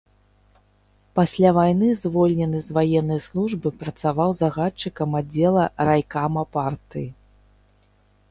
Пасля вайны звольнены з ваеннай службы, працаваў загадчыкам аддзела райкама партыі.